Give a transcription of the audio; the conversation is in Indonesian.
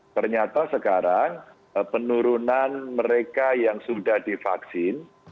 ternyata sekarang penurunan mereka yang sudah divaksin